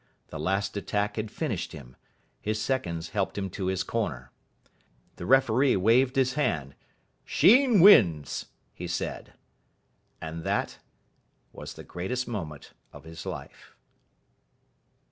The last attack had finished him. His seconds helped him to his corner. The referee waved his hand. "Sheen wins," he said. And that was the greatest moment of his life.